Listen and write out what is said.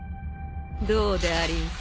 どうでありんす？